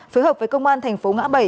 phối hợp với công an thành phố ngã bảy